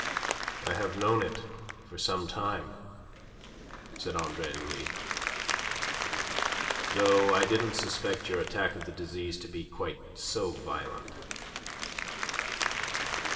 "I have known it for some time," said Andre Louis. "Though I didn't suspect your attack of the disease to be quite so violent.